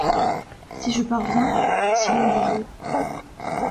Si je parviens, si loin du jour